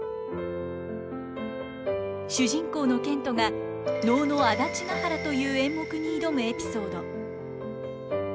主人公の憲人が能の「安達原」という演目に挑むエピソード。